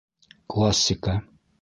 Классика